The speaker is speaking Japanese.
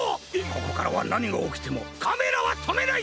ここからはなにがおきてもカメラはとめない！